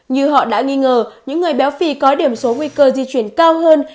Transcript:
như họ đã nghi ngờ những người béo phì có điểm số nguy cơ di chuyển cao hơn